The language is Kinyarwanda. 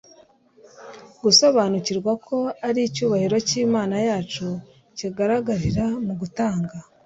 dusobanukirwa ko ari icyubahiro cy'Imana yacu kigaragarira mu gutanga.